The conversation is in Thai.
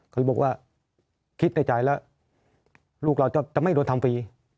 เขาบอกว่าคิดในใจแล้วลูกเราจะไม่โดนทำฟรี